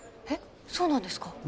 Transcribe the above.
えっそうなんですか？